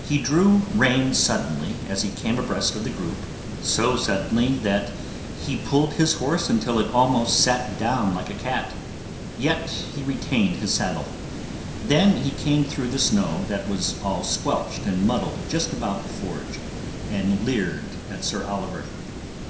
He drew rein suddenly as he came abreast of the group, so suddenly that he pulled his horse until it almost sat down like a cat; yet he retained his saddle. Then he came through the snow that was all squelched and mudded just about the forge, and leered at Sir Oliver.